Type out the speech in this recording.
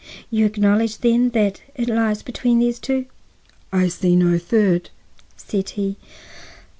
"You acknowledge, then, that it lies between these two?" "I see no third," said he.